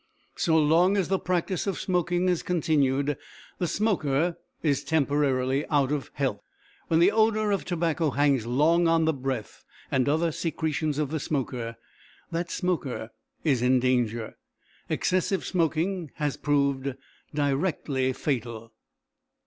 So long as the practice of smoking is continued the smoker is temporarily out of health. When the odour of tobacco hangs long on the breath and other secretions of the smoker, that smoker is in danger. Excessive smoking has proved directly fatal.